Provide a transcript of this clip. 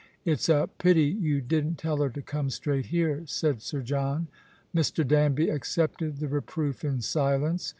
" It's a pity you didn't tell her to come straight here," said Sir John. Mr. Danby accepted the reproof in silence.